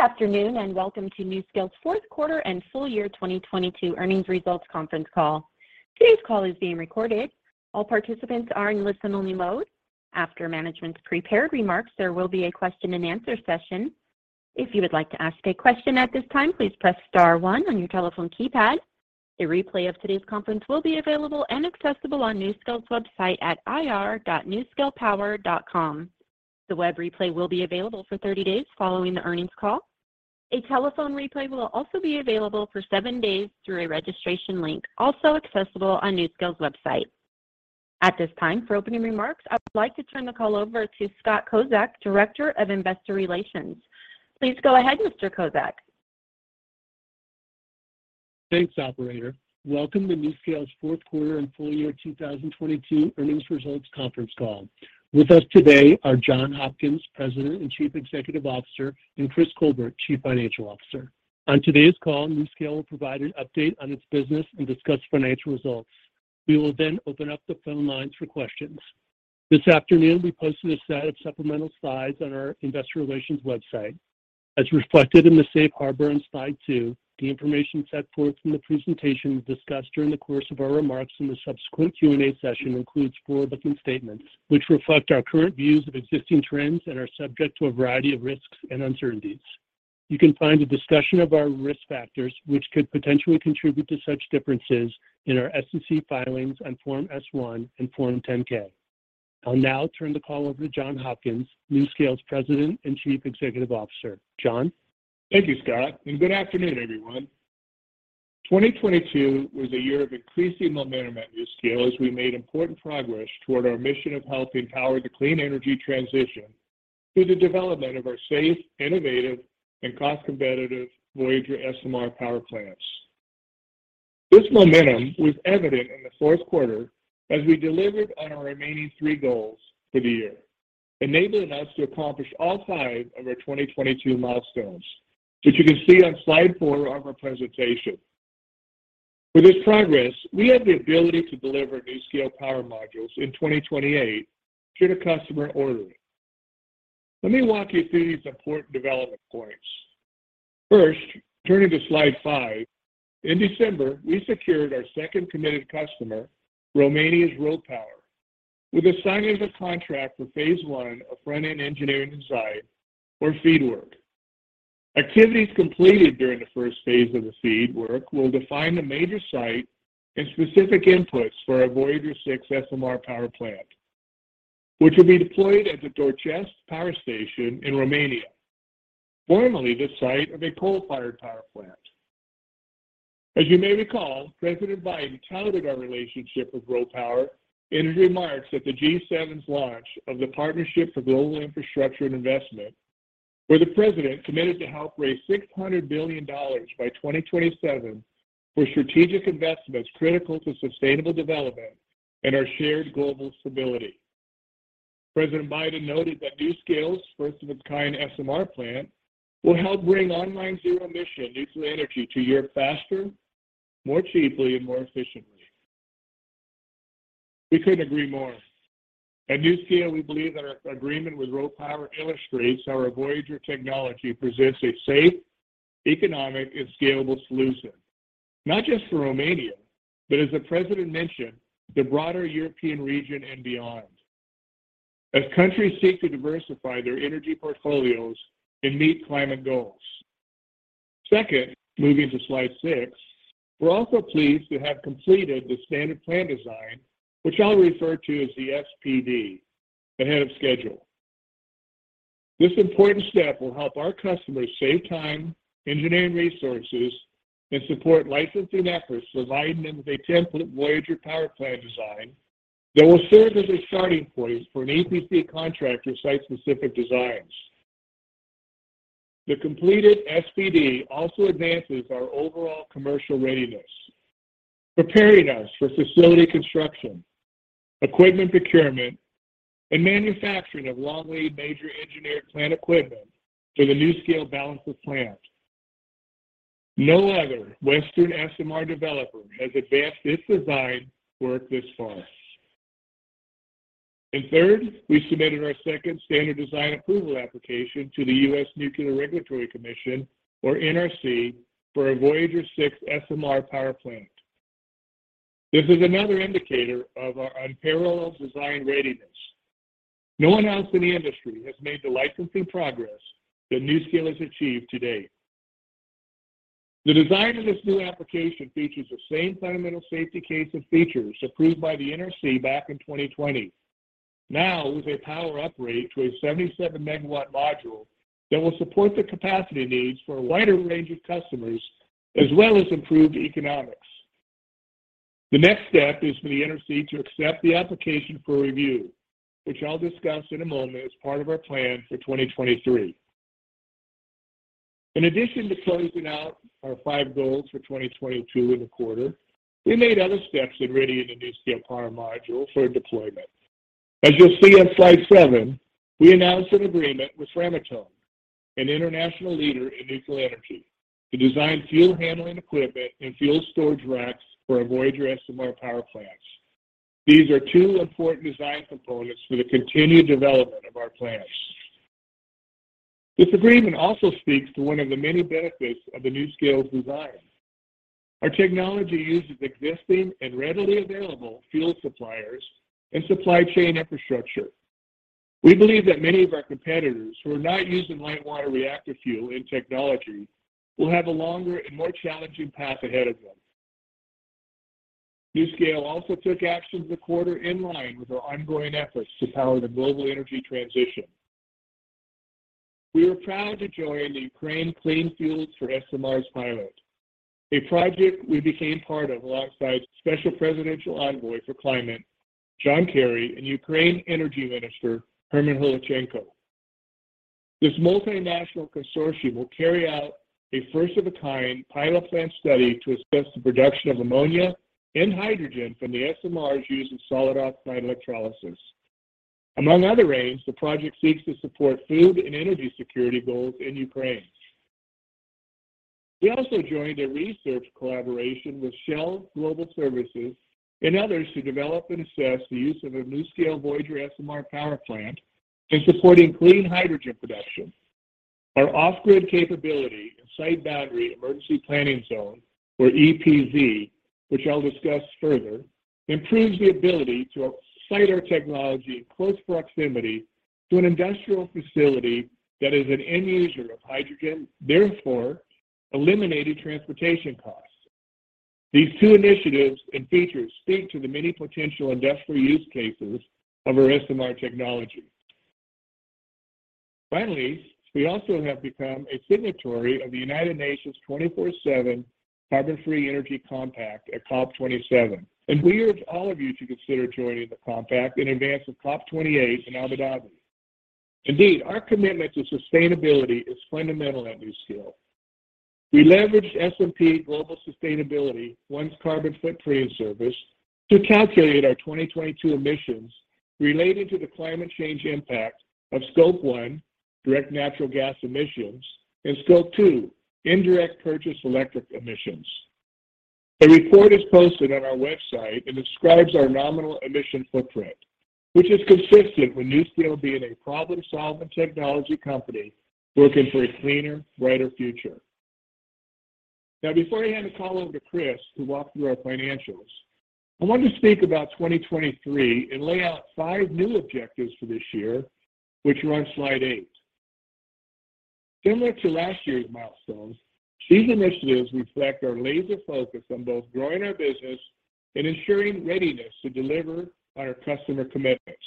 Good afternoon, welcome to NuScale's fourth quarter and full year 2022 earnings results conference call. Today's call is being recorded. All participants are in listen-only mode. After management's prepared remarks, there will be a question-and-answer session. If you would like to ask a question at this time, please press star one on your telephone keypad. A replay of today's conference will be available and accessible on NuScale's website at ir.nuscalepower.com. The web replay will be available for 30 days following the earnings call. A telephone replay will also be available for seven days through a registration link, also accessible on NuScale's website. At this time, for opening remarks, I would like to turn the call over to Scott Kozak, Director of Investor Relations. Please go ahead, Mr. Kozak. Thanks, operator. Welcome to NuScale's fourth quarter and full year 2022 earnings results conference call. With us today are John Hopkins, President and Chief Executive Officer, and Chris Colbert, Chief Financial Officer. On today's call, NuScale will provide an update on its business and discuss financial results. We will then open up the phone lines for questions. This afternoon, we posted a set of supplemental slides on our investor relations website. As reflected in the Safe Harbor on slide two, the information set forth in the presentation discussed during the course of our remarks in the subsequent Q&A session includes forward-looking statements which reflect our current views of existing trends and are subject to a variety of risks and uncertainties. You can find a discussion of our risk factors which could potentially contribute to such differences in our SEC filings on Form S-1 and Form 10-K. I'll now turn the call over to John Hopkins, NuScale's President and Chief Executive Officer. John? Thank you, Scott. Good afternoon, everyone. 2022 was a year of increasing momentum at NuScale as we made important progress toward our mission of helping power the clean energy transition through the development of our safe, innovative, and cost-competitive VOYGR SMR power plants. This momentum was evident in the fourth quarter as we delivered on our remaining three goals for the year, enabling us to accomplish all five of our 2022 milestones, which you can see on slide four of our presentation. With this progress, we have the ability to deliver NuScale power modules in 2028 to the customer ordering. Let me walk you through these important development points. First, turning to slide five, in December, we secured our second committed customer, Romania's RoPower, with the signing of a contract for phase one of front-end engineering design for FEED work. Activities completed during the first phase of the FEED work will define the major site and specific inputs for our VOYGR-6 SMR power plant, which will be deployed at the Doicești power station in Romania, formerly the site of a coal-fired power plant. As you may recall, President Biden touted our relationship with RoPower in his remarks at the G7's launch of the Partnership for Global Infrastructure and Investment, where the President committed to help raise $600 billion by 2027 for strategic investments critical to sustainable development and our shared global stability. President Biden noted that NuScale's first of its kind SMR plant will help bring online zero-emission nuclear energy to Europe faster, more cheaply, and more efficiently. We couldn't agree more. At NuScale, we believe that our agreement with RoPower illustrates our VOYGR technology presents a safe, economic, and scalable solution, not just for Romania, but as the President mentioned, the broader European region and beyond, as countries seek to diversify their energy portfolios and meet climate goals. Moving to slide six, we're also pleased to have completed the standard plan design, which I'll refer to as the SPD, ahead of schedule. This important step will help our customers save time, engineering resources, and support licensing efforts, providing them with a template VOYGR power plant design that will serve as a starting point for an EPC contractor site-specific designs. The completed SPD also advances our overall commercial readiness, preparing us for facility construction, equipment procurement, and manufacturing of long-lead major engineered plant equipment for the NuScale balance of plant. No other Western SMR developer has advanced its design work this far. Third, we submitted our second standard design approval application to the U.S. Nuclear Regulatory Commission, or NRC, for a VOYGR Six SMR power plant. This is another indicator of our unparalleled design readiness. No one else in the industry has made the licensing progress that NuScale has achieved to date. The design of this new application features the same fundamental safety case and features approved by the NRC back in 2020, now with a power upgrade to a 77 MW module that will support the capacity needs for a wider range of customers, as well as improved economics. The next step is for the NRC to accept the application for review, which I'll discuss in a moment as part of our plan for 2023. In addition to closing out our five goals for 2022 and a quarter, we made other steps in readying the NuScale Power module for deployment. As you'll see on slide seven, we announced an agreement with Framatome, an international leader in nuclear energy, to design fuel handling equipment and fuel storage racks for our VOYGR SMR power plants. These are two important design components for the continued development of our plans. This agreement also speaks to one of the many benefits of the NuScale design. Our technology uses existing and readily available fuel suppliers and supply chain infrastructure. We believe that many of our competitors who are not using light water reactor fuel and technology will have a longer and more challenging path ahead of them. NuScale also took action this quarter in line with our ongoing efforts to power the global energy transition. We are proud to join the Ukraine Clean Fuels for SMRs pilot, a project we became part of alongside Special Presidential Envoy for Climate, John Kerry, and Ukraine Energy Minister, German Galushchenko. This multinational consortium will carry out a first of a kind pilot plant study to assess the production of ammonia and hydrogen from the SMRs using solid oxide electrolysis. Among other aims, the project seeks to support food and energy security goals in Ukraine. We also joined a research collaboration with Shell Global Solutions and others to develop and assess the use of a NuScale VOYGR SMR power plant in supporting clean hydrogen production. Our off-grid capability and Site Boundary Emergency Planning Zone, or EPZ, which I'll discuss further, improves the ability to site our technology in close proximity to an industrial facility that is an end user of hydrogen, therefore eliminating transportation costs. These two initiatives and features speak to the many potential industrial use cases of our SMR technology. Finally, we also have become a signatory of the United Nations 24/7 Carbon-Free Energy Compact at COP27, and we urge all of you to consider joining the compact in advance of COP28 in Abu Dhabi. Indeed, our commitment to sustainability is fundamental at NuScale. We leveraged S&P Global Sustainable1's carbon footprint service to calculate our 2022 emissions relating to the climate change impact of Scope one, direct natural gas emissions, and Scope two, indirect purchase electric emissions. A report is posted on our website and describes our nominal emission footprint, which is consistent with NuScale being a problem-solving technology company working for a cleaner, brighter future. Before I hand the call over to Chris to walk through our financials, I want to speak about 2023 and lay out five new objectives for this year, which are on slide eight, Similar to last year's milestones, these initiatives reflect our laser focus on both growing our business and ensuring readiness to deliver on our customer commitments.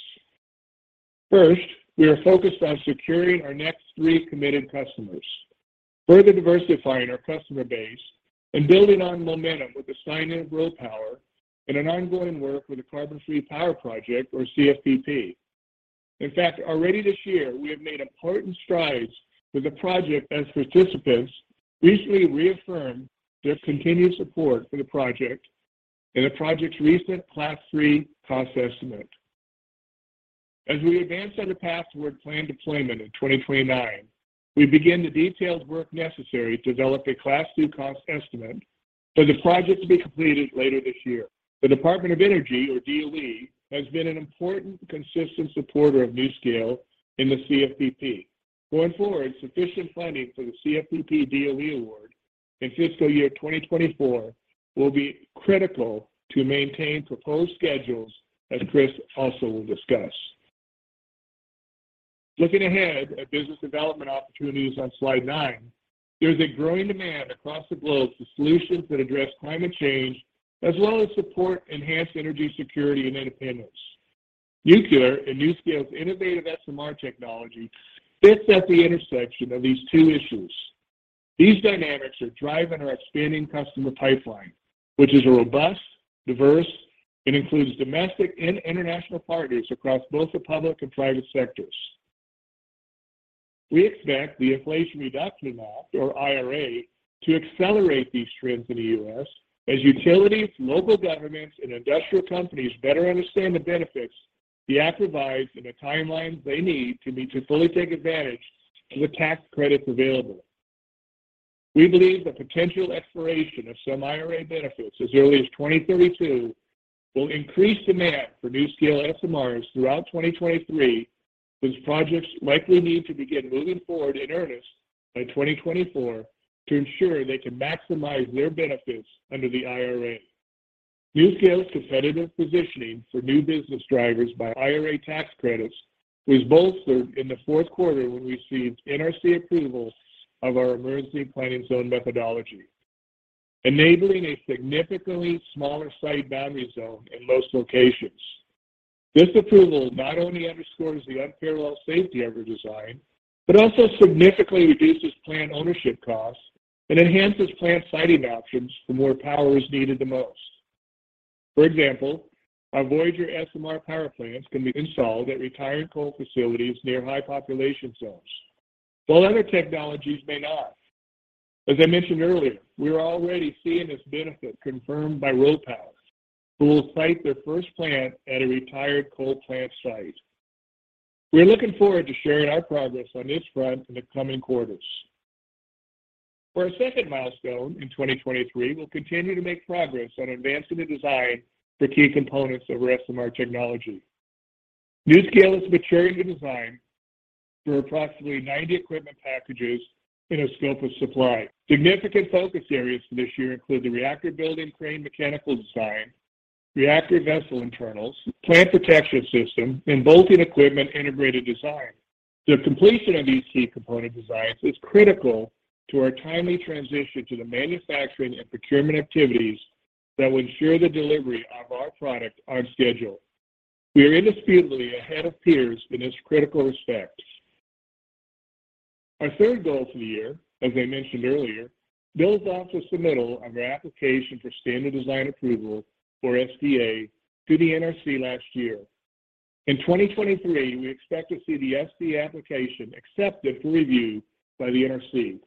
We are focused on securing our next three committed customers, further diversifying our customer base and building on momentum with the signing of RoPower and an ongoing work with the Carbon Free Power Project, or CFPP. Already this year we have made important strides with the project as participants recently reaffirmed their continued support for the project in the project's recent Class three cost estimate. As we advance on the path toward planned deployment in 2029, we begin the detailed work necessary to develop a Class two cost estimate for the project to be completed later this year. The Department of Energy, or DOE, has been an important, consistent supporter of NuScale in the CFPP. Going forward, sufficient funding for the CFPP DOE award in fiscal year 2024 will be critical to maintain proposed schedules, as Chris also will discuss. Looking ahead at business development opportunities on Slide nine, there's a growing demand across the globe for solutions that address climate change as well as support enhanced energy security and independence. Nuclear and NuScale's innovative SMR technology fits at the intersection of these two issues. These dynamics are driving our expanding customer pipeline, which is a robust, diverse, and includes domestic and international partners across both the public and private sectors. We expect the Inflation Reduction Act, or IRA, to accelerate these trends in the US as utilities, local governments, and industrial companies better understand the benefits, the accolades, and the timelines they need to meet to fully take advantage of the tax credits available. We believe the potential expiration of some IRA benefits as early as 2032 will increase demand for NuScale SMRs throughout 2023, whose projects likely need to begin moving forward in earnest by 2024 to ensure they can maximize their benefits under the IRA. NuScale's competitive positioning for new business drivers by IRA tax credits was bolstered in the fourth quarter when we received NRC approval of our emergency planning zone methodology, enabling a significantly smaller site boundary zone in most locations. This approval not only underscores the unparalleled safety of our design, but also significantly reduces plant ownership costs and enhances plant siting options for where power is needed the most. For example, our VOYGR SMR power plants can be installed at retired coal facilities near high population zones, while other technologies may not. As I mentioned earlier, we are already seeing this benefit confirmed by RoPower, who will site their first plant at a retired coal plant site. We're looking forward to sharing our progress on this front in the coming quarters. For our second milestone in 2023, we'll continue to make progress on advancing the design for key components of our SMR technology. NuScale is maturing the design for approximately 90 equipment packages in our scope of supply. Significant focus areas for this year include the reactor building crane mechanical design, reactor vessel internals, plant protection system, and bolting equipment integrated design. The completion of these key component designs is critical to our timely transition to the manufacturing and procurement activities that will ensure the delivery of our product on schedule. We are indisputably ahead of peers in this critical respect. Our third goal for the year, as I mentioned earlier, builds off the submittal of our application for standard design approval for SDA to the NRC last year. In 2023, we expect to see the SDA application accepted for review by the NRC.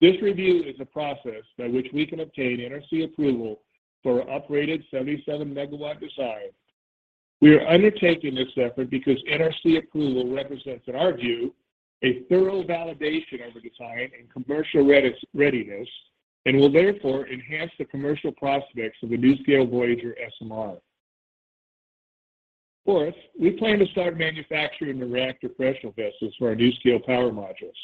This review is a process by which we can obtain NRC approval for our uprated 77 megawatt design. We are undertaking this effort because NRC approval represents, in our view, a thorough validation of our design and commercial readiness and will therefore enhance the commercial prospects of the NuScale VOYGR SMR. Fourth, we plan to start manufacturing the reactor pressure vessels for our NuScale Power modules.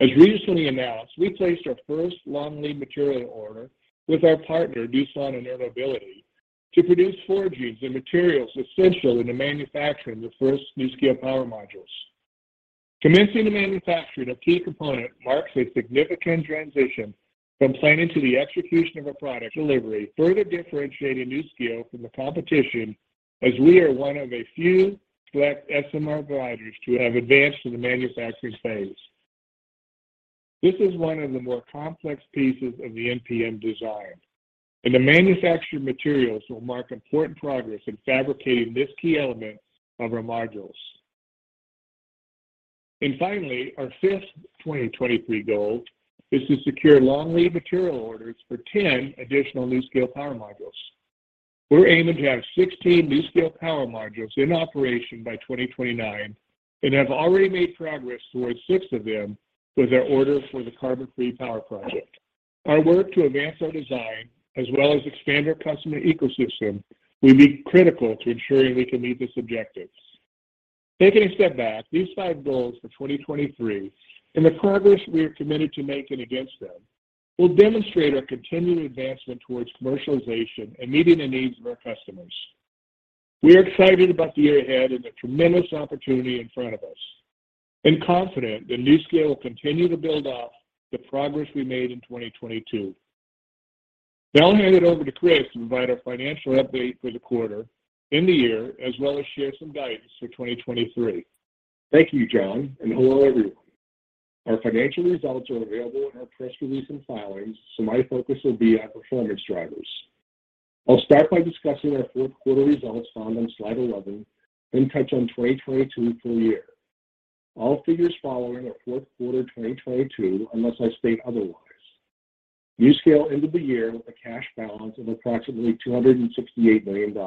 As recently announced, we placed our first long-lead material order with our partner Doosan Enerbility to produce forgings and materials essential in the manufacturing of the first NuScale Power modules. Commencing the manufacturing of key component marks a significant transition from planning to the execution of our product delivery, further differentiating NuScale from the competition as we are one of a few select SMR providers to have advanced to the manufacturing phase. This is one of the more complex pieces of the NPM design, and the manufactured materials will mark important progress in fabricating this key element of our modules. Finally, our fifth 2023 goal is to secure long-lead material orders for 10 additional NuScale Power modules. We're aiming to have 16 NuScale Power modules in operation by 2029 and have already made progress towards six of them with our order for the Carbon Free Power Project. Our work to advance our design as well as expand our customer ecosystem will be critical to ensuring we can meet this objective. Taking a step back, these five goals for 2023 and the progress we are committed to making against them will demonstrate our continued advancement towards commercialization and meeting the needs of our customers. We are excited about the year ahead and the tremendous opportunity in front of us and confident that NuScale will continue to build off the progress we made in 2022. Now I'll hand it over to Chris to provide our financial update for the quarter and the year as well as share some guidance for 2023. Thank you, John. Hello, everyone. Our financial results are available in our press release and filings, so my focus will be on performance drivers. I'll start by discussing our 4th quarter results found on slide 11, then touch on 2022 full year. All figures following are 4th quarter 2022 unless I state otherwise. NuScale ended the year with a cash balance of approximately $268 million.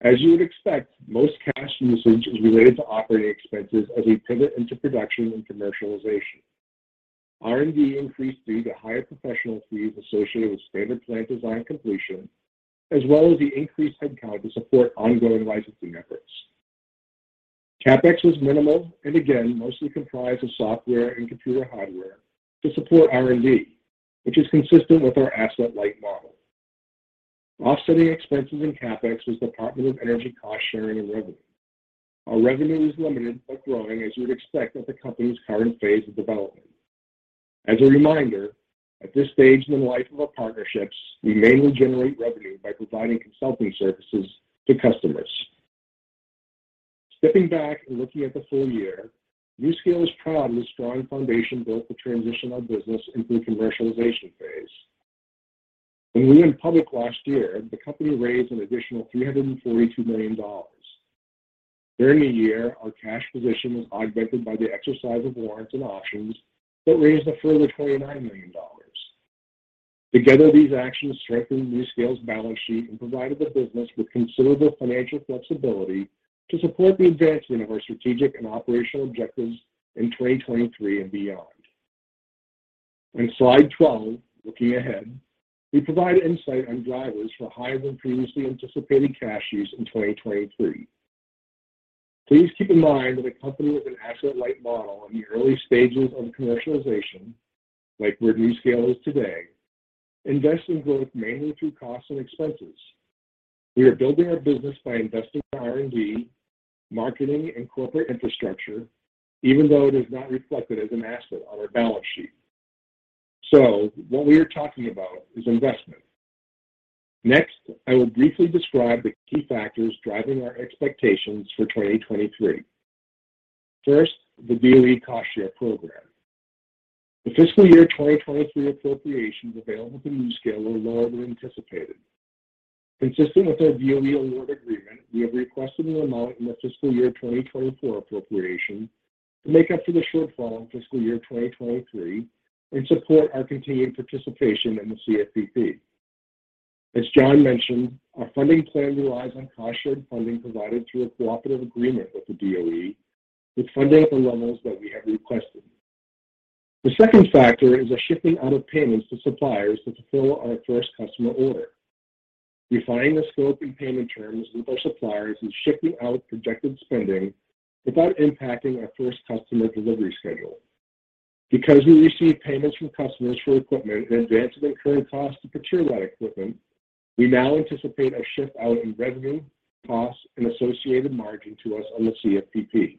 As you would expect, most cash usage is related to operating expenses as we pivot into production and commercialization. R&D increased due to higher professional fees associated with standard plant design completion as well as the increased headcount to support ongoing licensing efforts. CapEx was minimal and again mostly comprised of software and computer hardware to support R&D, which is consistent with our asset-light model. Offsetting expenses in CapEx was Department of Energy cost sharing and revenue. Our revenue is limited but growing as you would expect at the company's current phase of development. As a reminder, at this stage in the life of our partnerships, we mainly generate revenue by providing consulting services to customers. Stepping back and looking at the full year, NuScale is proud of the strong foundation built to transition our business into the commercialization phase. When we went public last year, the company raised an additional $342 million. During the year, our cash position was augmented by the exercise of warrants and options that raised a further $29 million. Together these actions strengthened NuScale's balance sheet and provided the business with considerable financial flexibility to support the advancement of our strategic and operational objectives in 2023 and beyond. On slide 12, looking ahead, we provide insight on drivers for higher than previously anticipated cash use in 2023. Please keep in mind that a company with an asset-light model in the early stages of commercialization, like where NuScale is today, invests in growth mainly through costs and expenses. We are building our business by investing in R&D, marketing, and corporate infrastructure, even though it is not reflected as an asset on our balance sheet. What we are talking about is investment. Next, I will briefly describe the key factors driving our expectations for 2023. First, the DOE cost share program. The fiscal year 2023 appropriations available to NuScale were lower than anticipated. Consistent with our DOE award agreement, we have requested an amount in the fiscal year 2024 appropriation to make up for the shortfall in fiscal year 2023 and support our continued participation in the CFPP. As John mentioned, our funding plan relies on cost-shared funding provided through a cooperative agreement with the DOE with funding at the levels that we have requested. The second factor is a shifting out of payments to suppliers to fulfill our first customer order. Refining the scope and payment terms with our suppliers and shifting out projected spending without impacting our first customer delivery schedule. Because we receive payments from customers for equipment in advance of incurring costs to procure that equipment, we now anticipate a shift out in revenue, costs, and associated margin to us on the CFPP.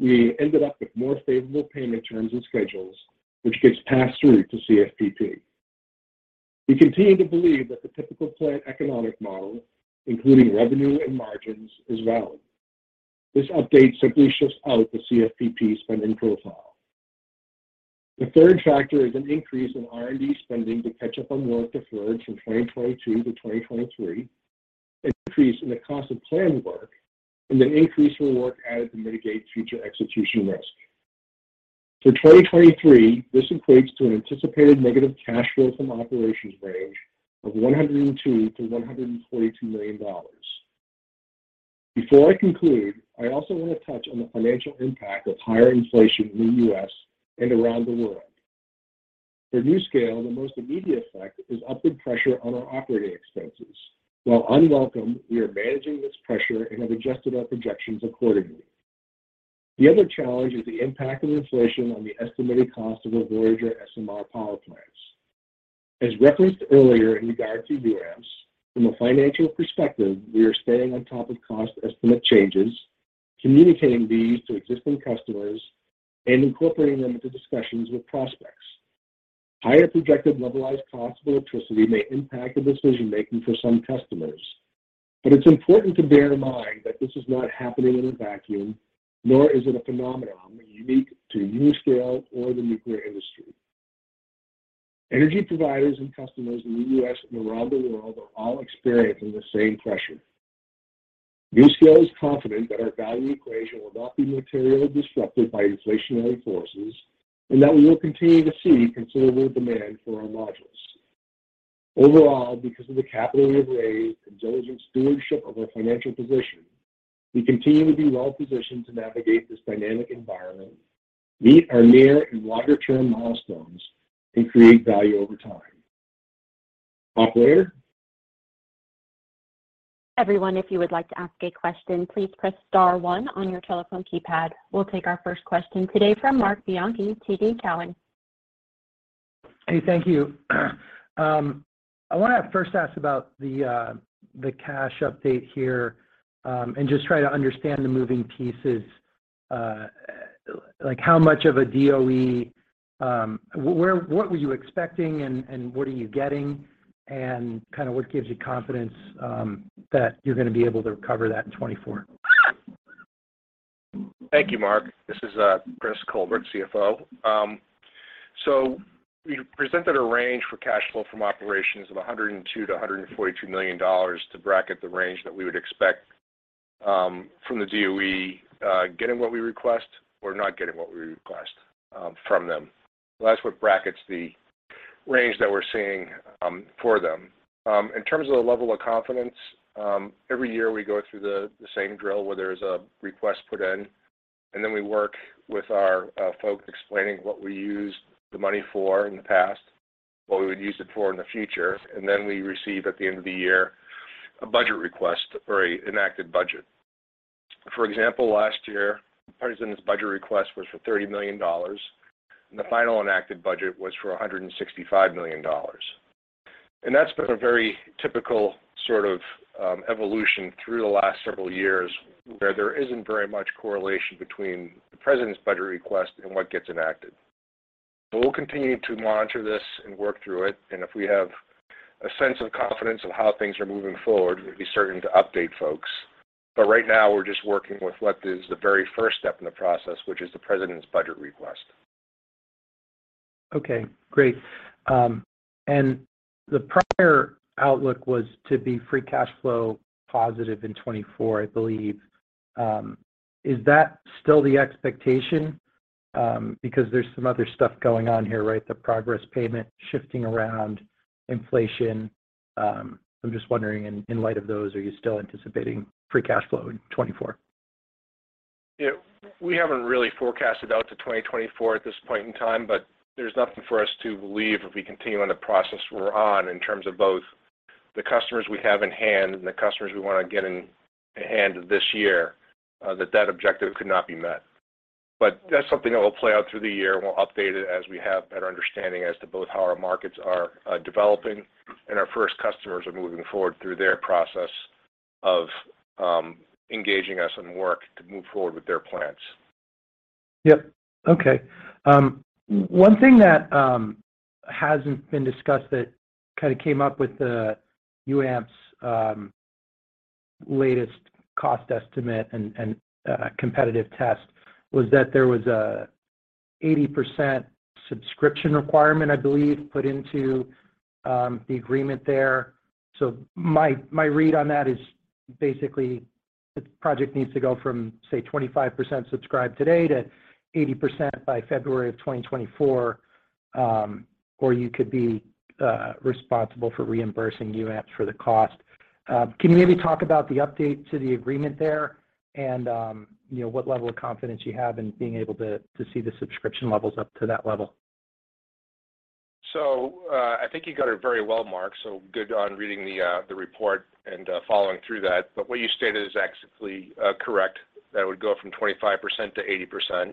We ended up with more favorable payment terms and schedules, which gets passed through to CFPP. We continue to believe that the typical plant economic model, including revenue and margins, is valid. This update simply shifts out the CFPP spending profile. The third factor is an increase in R&D spending to catch up on work deferred from 2022 to 2023, an increase in the cost of planned work, and an increase from work added to mitigate future execution risk. For 2023, this equates to an anticipated negative cash flow from operations range of $102 million-$142 million. Before I conclude, I also want to touch on the financial impact of higher inflation in the U.S. and around the world. For NuScale, the most immediate effect is upward pressure on our operating expenses. While unwelcome, we are managing this pressure and have adjusted our projections accordingly. The other challenge is the impact of inflation on the estimated cost of our VOYGR SMR power plants. As referenced earlier in regard to UAMPS, from a financial perspective, we are staying on top of cost estimate changes, communicating these to existing customers, and incorporating them into discussions with prospects. Higher projected levelized cost of electricity may impact the decision-making for some customers. It's important to bear in mind that this is not happening in a vacuum, nor is it a phenomenon unique to NuScale or the nuclear industry. Energy providers and customers in the U.S. and around the world are all experiencing the same pressure. NuScale is confident that our value equation will not be materially disrupted by inflationary forces, and that we will continue to see considerable demand for our modules. Overall, because of the capital we have raised and diligent stewardship of our financial position, we continue to be well-positioned to navigate this dynamic environment, meet our near and longer-term milestones, and create value over time. Operator. Everyone, if you would like to ask a question, please press star one on your telephone keypad. We'll take our first question today from Marc Bianchi, TD Cowen. Hey, thank you. I wanna first ask about the cash update here, and just try to understand the moving pieces. Like how much of a DOE, what were you expecting and what are you getting? Kinda what gives you confidence that you're gonna be able to recover that in 2024? Thank you, Marc. This is Chris Colbert, CFO. We presented a range for cash flow from operations of $102 million-$142 million to bracket the range that we would expect from the DOE, getting what we request or not getting what we request from them. That's what brackets the range that we're seeing for them. In terms of the level of confidence, every year we go through the same drill where there's a request put in, and then we work with our folks explaining what we used the money for in the past, what we would use it for in the future, and then we receive at the end of the year a budget request or a enacted budget. For example, last year, the President's budget request was for $30 million, and the final enacted budget was for $165 million. That's been a very typical sort of evolution through the last several years where there isn't very much correlation between the President's budget request and what gets enacted. We'll continue to monitor this and work through it, and if we have a sense of confidence of how things are moving forward, we'd be certain to update folks. Right now, we're just working with what is the very first step in the process, which is the President's budget request. Okay, great. The prior outlook was to be free cash flow positive in 2024, I believe. Is that still the expectation? There's some other stuff going on here, right? The progress payment shifting around inflation. I'm just wondering in light of those, are you still anticipating free cash flow in 2024? Yeah. We haven't really forecasted out to 2024 at this point in time. There's nothing for us to believe if we continue on the process we're on in terms of both the customers we have in-hand and the customers we wanna get in-hand this year, that that objective could not be met. That's something that will play out through the year, and we'll update it as we have better understanding as to both how our markets are developing and our first customers are moving forward through their process of engaging us in work to move forward with their plans. Yep. Okay. One thing that hasn't been discussed that kinda came up with the UAMPS latest cost estimate and competitive test was that there was a 80% subscription requirement, I believe, put into the agreement there. My, my read on that is basically the project needs to go from, say, 25% subscribed today to 80% by February of 2024, or you could be responsible for reimbursing UAMPS for the cost. Can you maybe talk about the update to the agreement there and, you know, what level of confidence you have in being able to see the subscription levels up to that level? I think you got it very well, Marc, good on reading the report and following through that. What you stated is actually correct, that it would go from 25% to 80%,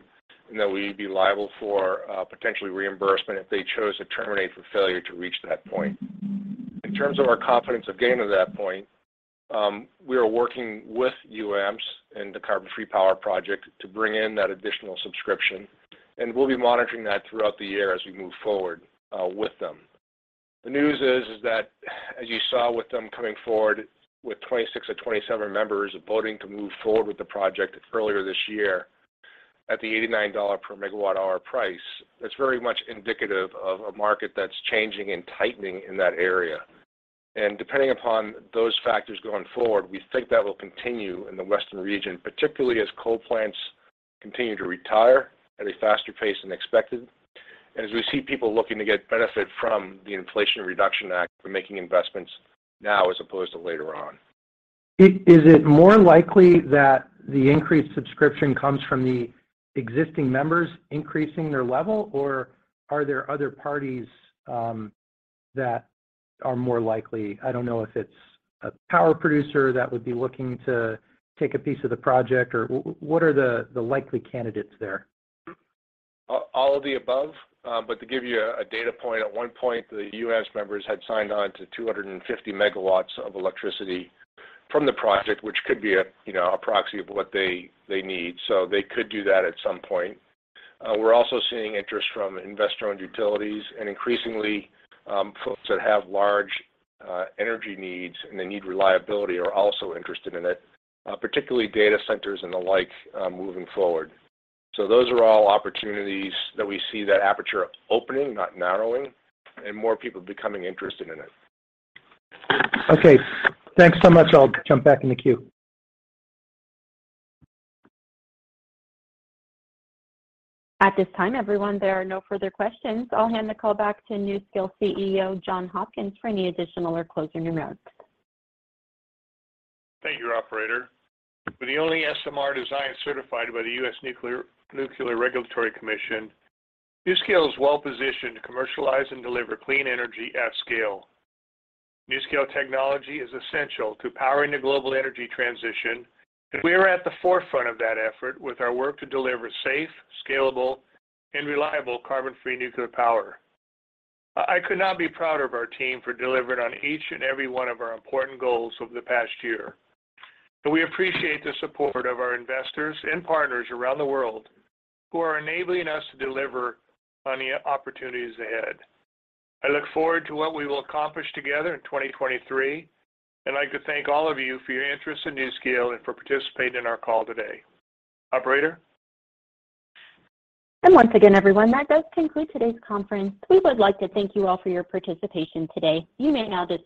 and that we'd be liable for potentially reimbursement if they chose to terminate for failure to reach that point. In terms of our confidence of getting to that point, we are working with UAMPS and the Carbon Free Power Project to bring in that additional subscription, and we'll be monitoring that throughout the year as we move forward with them. The news is that as you saw with them coming forward with 26 of 27 members voting to move forward with the project earlier this year at the $89 per megawatt hour price, that's very much indicative of a market that's changing and tightening in that area. Depending upon those factors going forward, we think that will continue in the Western region, particularly as coal plants continue to retire at a faster pace than expected, as we see people looking to get benefit from the Inflation Reduction Act and making investments now as opposed to later on. Is it more likely that the increased subscription comes from the existing members increasing their level, or are there other parties that are more likely? I don't know if it's a power producer that would be looking to take a piece of the project or what are the likely candidates there? All of the above. To give you a data point, at one point, the US members had signed on to 250 megawatts of electricity from the project, which could be a, you know, a proxy of what they need. They could do that at some point. We're also seeing interest from investor-owned utilities and increasingly, folks that have large energy needs and they need reliability are also interested in it, particularly data centers and the like, moving forward. Those are all opportunities that we see that aperture opening, not narrowing, and more people becoming interested in it. Okay, thanks so much. I'll jump back in the queue. At this time, everyone, there are no further questions. I'll hand the call back to NuScale CEO, John Hopkins, for any additional or closing remarks. Thank you, operator. With the only SMR design certified by the U.S. Nuclear Regulatory Commission, NuScale is well-positioned to commercialize and deliver clean energy at scale. NuScale technology is essential to powering the global energy transition, and we are at the forefront of that effort with our work to deliver safe, scalable, and reliable carbon-free nuclear power. I could not be prouder of our team for delivering on each and every one of our important goals over the past year. We appreciate the support of our investors and partners around the world who are enabling us to deliver on the opportunities ahead. I look forward to what we will accomplish together in 2023, and I'd like to thank all of you for your interest in NuScale and for participating in our call today. Operator? Once again, everyone, that does conclude today's conference. We would like to thank you all for your participation today. You may now disconnect.